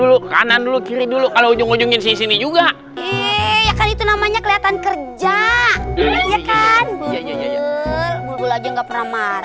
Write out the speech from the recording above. dulu kanan dulu kiri dulu kalau ujung ujungin sini juga itu namanya kelihatan kerja ya kan